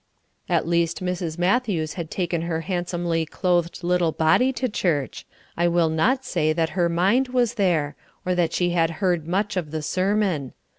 At least Mrs. Matthews had taken her handsomely clothed little body to church; I will not say that her mind was there, or that she had heard much of the sermon.